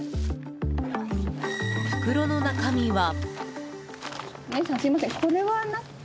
袋の中身は。